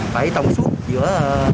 phải thông suốt giữa